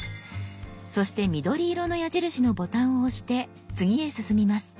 そして緑色の矢印のボタンを押して次へ進みます。